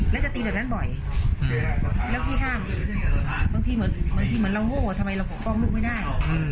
แล้วจะตีแบบนั้นบ่อยแล้วที่ห้ามบางทีเหมือนเราโหวว่าทำไมเราป้องลูกไม่ได้